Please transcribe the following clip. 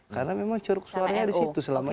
karena memang ceruk suara itu selama ini